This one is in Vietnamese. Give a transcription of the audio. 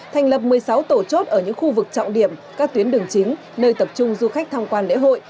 thành lập một mươi sáu tổ chốt ở những khu vực trọng điểm các tuyến đường chính nơi tập trung du khách tham quan lễ hội